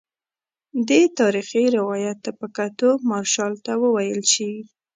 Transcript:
دې تاریخي روایت ته په کتو مارشال ته وویل شي.